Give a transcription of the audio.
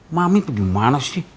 mami pergi mana sih